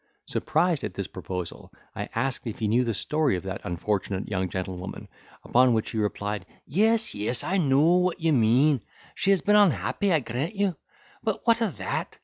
Surprised at this proposal, I asked if he knew the story of that unfortunate young gentlewoman; upon which he replied, "Yes, yes, I know what you mean—she has been unhappy, I grant you—but what of that?